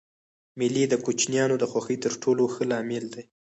مېلې د کوچنيانو د خوښۍ تر ټولو ښه لامل دئ.